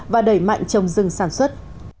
và đẩy mạnh trồng rừng sản xuất